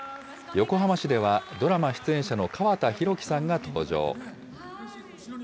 横浜市ではドラマ出演者の川田広樹さんが登場。